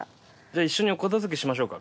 一緒にお片づけしましょうか。